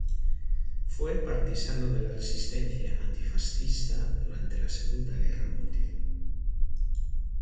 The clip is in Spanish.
Fue partisano de la resistencia antifascista durante la Segunda Guerra Mundial.